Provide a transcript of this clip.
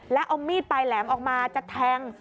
แล้วเอามีดปลายแหลมออกมาจะแทง